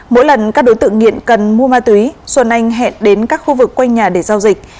mỗi lần các đối tượng nghiện cần mua ma túy xuân anh hẹn đến các khu vực quanh nhà để giao dịch